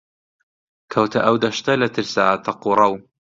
کەوتە ئەو دەشتە لە ترسا تەق و ڕەو